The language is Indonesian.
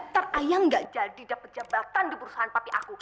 ntar ayah gak jadi dapat jabatan di perusahaan papi aku